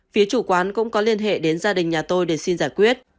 phía chủ quán cũng có liên hệ đến gia đình nhà tôi để xin giải quyết